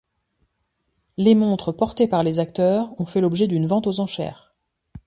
Les montres portées par les acteurs ont fait l’objet d’une vente aux enchères.